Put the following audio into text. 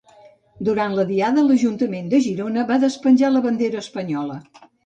Durant la diada, l'Ajuntament de Girona va despenjar la bandera espanyola.